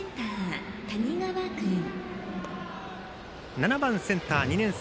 ７番センター、２年生